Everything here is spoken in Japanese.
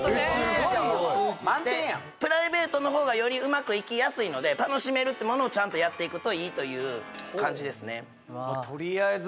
プライベートの方がよりうまくいきやすいので楽しめるってものをちゃんとやっていくといいという感じですねわあ